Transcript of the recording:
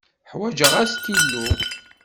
Ḥwaǧeɣ astilu.